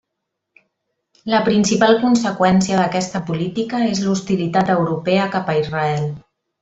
La principal conseqüència d'aquesta política és l'hostilitat europea cap a Israel.